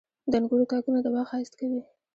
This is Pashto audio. • د انګورو تاکونه د باغ ښایست کوي.